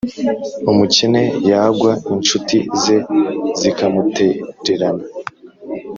umukene yagwa, incuti ze zikamutererana